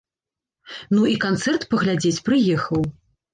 Ну і канцэрт паглядзець прыехаў.